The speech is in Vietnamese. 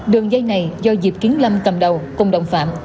đường dây này do diệp kiến lâm cầm đầu cùng đồng phạm